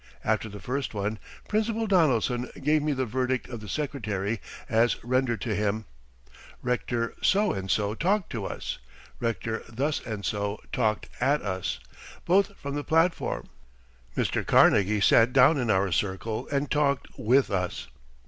After the first one, Principal Donaldson gave me the verdict of the Secretary as rendered to him: "Rector So and So talked to us, Rector Thus and So talked at us, both from the platform; Mr. Carnegie sat down in our circle and talked with us."